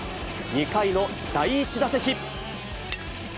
２回の第１打席。